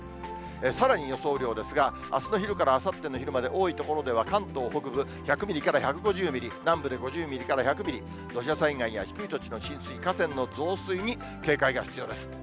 さらに予想雨量ですが、あすの昼からあさっての昼間で、多い所では関東北部１００ミリから１５０ミリ、南部で５０ミリから１００ミリ、土砂災害や低い土地の浸水、河川の増水に警戒が必要です。